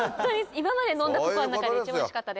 今まで飲んだココアの中で一番おいしかったです。